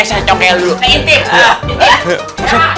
eh saya congkel dulu